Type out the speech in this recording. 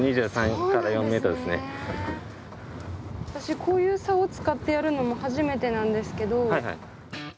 私こういうサオを使ってやるのも初めてなんですけど。